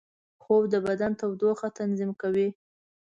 خوب د بدن تودوخې تنظیم کوي